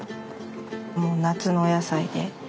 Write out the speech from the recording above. もう夏のお野菜で。